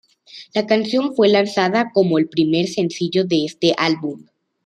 La canción fue lanzada como el primer sencillo de este álbum.